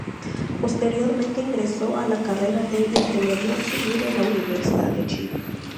Posteriormente ingresó a la carrera de ingeniería civil en la Universidad de Chile.